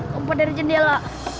lompat dari jendela